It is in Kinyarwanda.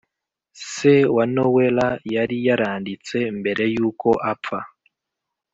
se wa noella yariyaranditse mbere yuko apfa